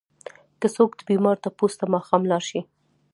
که څوک د بيمار تپوس ته ماښام لاړ شي؛